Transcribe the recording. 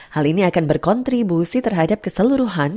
hal ini akan berkontribusi terhadap keseluruhan